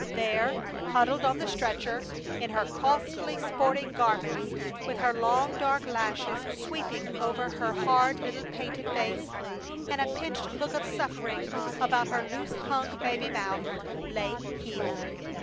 There, huddled on the stretcher, in her costly sporting garments, with her long, dark lashes sweeping over her hard, little painted face, and a pinched look of suffering about her loose hung baby mouth, lay Gila!